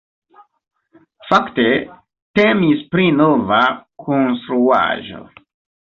Fakte temis pri nova konstruaĵo.